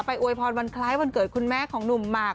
อวยพรวันคล้ายวันเกิดคุณแม่ของหนุ่มหมาก